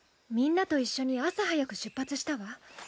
みんなと一緒に朝早く出発したわ。